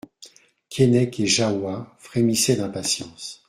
Keinec et Jahoua frémissaient d'impatience.